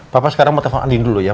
papa sekarang mau telfon andin dulu ya